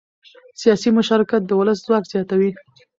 سیاسي مشارکت د ولس ځواک زیاتوي